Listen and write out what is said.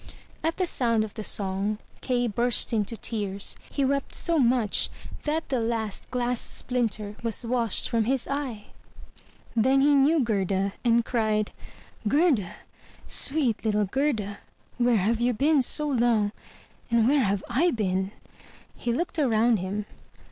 At the sound of the song, Kay burst into tears; he wept so 323 MY BOOK HOUSE much that the last glass splinter was washed from his eye. Then he knew Gerda, and cried, "Gerda, sweet little Gerda! where have you been so long? And where have I been?'* He looked around him.